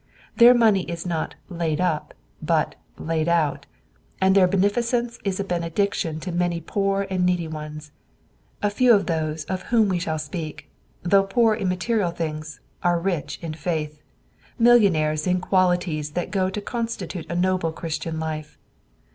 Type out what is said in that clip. Their money is not laid up, but laid out, and their beneficence is a benediction to many poor and needy ones. A few of those of whom we shall speak, though poor in material things, are rich in faith—millionaires in qualities that go to constitute a noble Christian life.